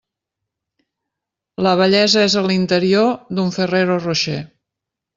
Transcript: La bellesa és a l'interior d'un Ferrero Rocher.